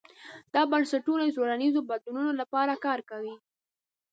دا بنسټونه د ټولنیزو بدلونونو لپاره کار کوي.